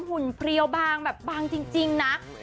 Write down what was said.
หุ่นเพลียวบางแบบบางจริงนะ